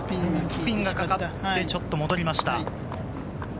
スピンがかかって、ちょっと戻りました。